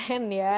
wah keren ya